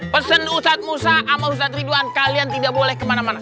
pesan ustadz musa sama ustadz ridwan kalian tidak boleh kemana mana